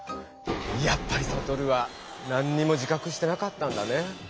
やっぱりサトルはなんにも自かくしてなかったんだね。